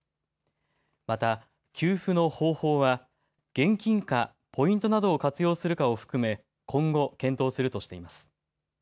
また給付の方法は現金か、ポイントなどを活用するかを含め今後、検討するとしています。